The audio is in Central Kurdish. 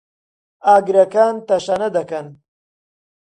ئاگرەکان تەشەنە دەکەن.